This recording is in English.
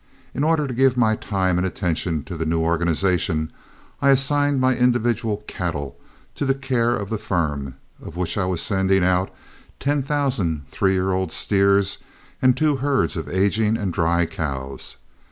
In order to give my time and attention to the new organization, I assigned my individual cattle to the care of the firm, of which I was sending out ten thousand three year old steers and two herds of aging and dry cows.